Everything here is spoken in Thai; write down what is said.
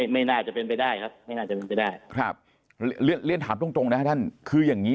ไม่น่าจะเป็นไปได้ครับเรียนถามตรงนะท่านคืออย่างนี้